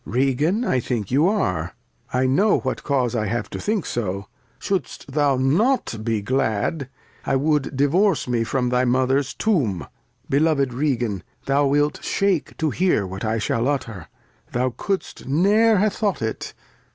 Regan, I think you are, I know what Cause 202 The History of [Act ii I have to think so ; shou'd'st thou not be glad I wou'd divorce me from thy Mother's Tomb ? Beloved Regan, thou wilt shake to hear What I shall utter : Thou cou'd'st ne'er h'thought it.